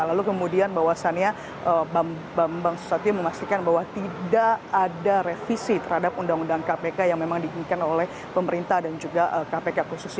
lalu kemudian bahwasannya bambang susatyo memastikan bahwa tidak ada revisi terhadap undang undang kpk yang memang diinginkan oleh pemerintah dan juga kpk